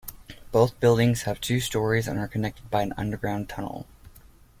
Both buildings have two stories and are connected by an underground tunnel.